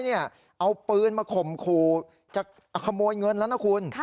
เอาปืนมาข่มขู่จะขโมยเงินแล้วนะคุณ